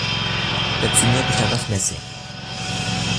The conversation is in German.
Der Zünder bestand aus Messing.